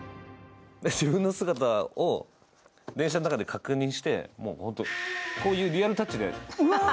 自分の姿を電車の中で確認して、こういうリアルタッチで。